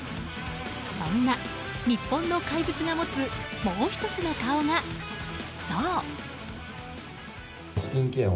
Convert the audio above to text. そんな日本の怪物が持つもう１つの顔が、そう。